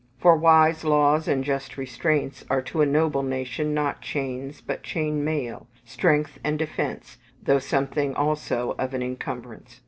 For wise laws and just restraints are to a noble nation not chains, but chain mail strength and defence, though something also of an incumbrance.